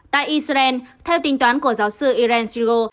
tại israel theo tính toán của giáo sư irene strigo